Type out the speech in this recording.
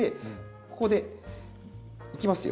ここでいきますよ。